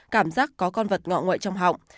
cảm giác có con vật ngọ ngội trong họng